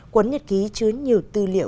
cuốn nhật ký chứa nhiều tư liệu